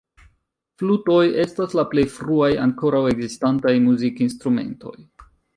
Flutoj estas la plej fruaj ankoraŭ ekzistantaj muzikinstrumentoj.